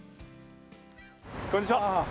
こんにちは。